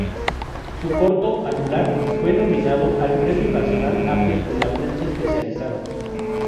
Su corto "Anular" fue nominado al premio nacional Apes de la prensa especializada.